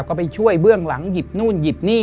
ก็ไปช่วยเบื้องหลังหยิบนู่นหยิบนี่